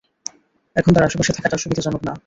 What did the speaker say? এখন তার আশেপাশে থাকাটা সুবিধাজনক না।